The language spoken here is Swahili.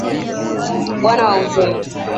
Bwana wa uzima.